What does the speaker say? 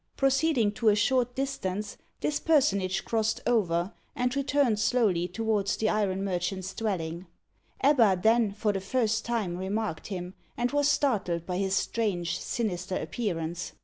Proceeding to a short distance, this personage crossed over, and returned slowly towards the iron merchant's dwelling. Ebba then, for the first time, remarked him, and was startled by his strange, sinister appearance.